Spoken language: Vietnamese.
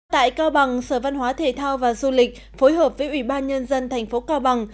tại cao bằng sở văn hóa thể thao và du lịch phối hợp với ủy ban nhân dân thành phố cao bằng